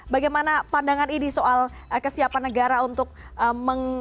bagaimana pandangan idi soal kesiapan negara untuk memberikan perlindungan bagi dokter